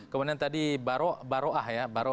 kemudian tadi baro'ah ya